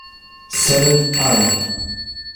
Seventh Army.